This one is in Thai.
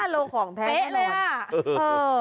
๕โลของแพงให้เรา